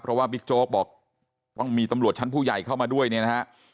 เพราะว่าบิ๊กโจ๊กบอกต้องมีตำรวจชั้นผู้ใหญ่เข้ามาด้วยเนี่ยนะฮะ